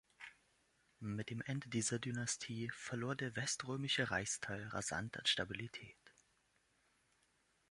Mit dem Ende dieser Dynastie verlor der weströmische Reichsteil rasant an Stabilität.